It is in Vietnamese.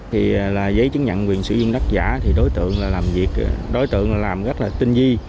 thì giấy chứng nhận quyền sử dụng đất giả thì đối tượng làm việc rất là tinh di